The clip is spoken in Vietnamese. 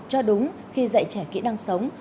cho đúng khi dạy trẻ kỹ năng sống